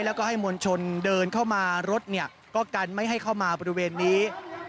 แล้วก็ให้มวลชนเดินเข้ามารถเนี่ยก็กันไม่ให้เข้ามาบริเวณนี้